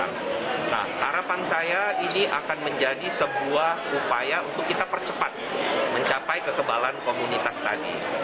nah harapan saya ini akan menjadi sebuah upaya untuk kita percepat mencapai kekebalan komunitas tadi